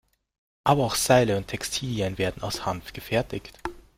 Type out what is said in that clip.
Aber auch Seile und Textilien werden aus Hanf gefertigt.